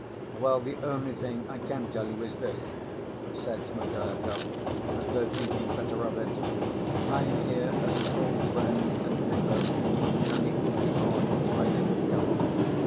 "Well, the only thing I can tell you is this," said Smerdyakov, as though thinking better of it; "I am here as an old friend and neighbor, and it would be odd if I didn't come.